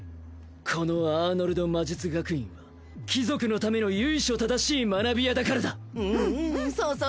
このアーノルド魔術学院は貴族のための由緒正しい学び舎だからだうんうんそうそう